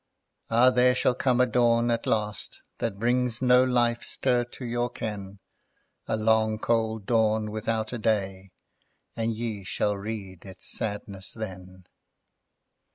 Ah, there shall come a Dawn at last That brings no life stir to your ken, A long, cold Dawn without a Day, And ye shall rede its sadness then."